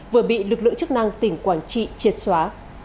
vừa bị lực lượng chức năng tỉnh quảng trị triệt xóa